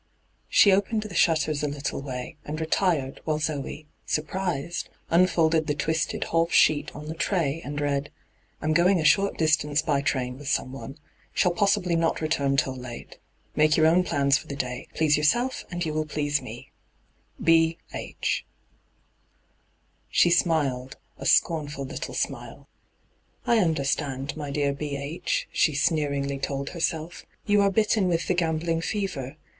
She opened the shutters a little way and retired, while Zoe, surprised, unfolded the twisted half sheet on the tray, and read :' Am going a short distance by train with someone. Shall possibly not return till late. Make your own plans for the day ; please yourself, and you will please me. 'B. H.' hyGoogIc 1 82 ENTRAPPED She smiled, a scornful little smile. ' I understand, my dear " B. H.," ' she sneeiingly told herself. ' You are bitten with the gambling fever.